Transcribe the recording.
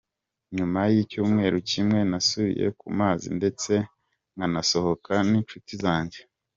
Nyuma y;icyumweru kimwe nasubiye ku mazi ndetse nkanasohoka n’incuti zanjye.